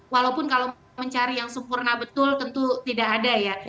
walaupun kalau mencari yang sempurna betul tentu tidak ada ya